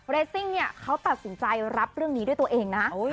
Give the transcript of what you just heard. ซิ่งเนี่ยเขาตัดสินใจรับเรื่องนี้ด้วยตัวเองนะ